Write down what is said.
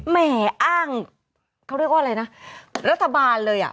แหมอ้างเขาเรียกว่าอะไรนะรัฐบาลเลยอ่ะ